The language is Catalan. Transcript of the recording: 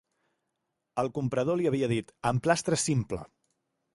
El comprador li havia dit «emplastre simple»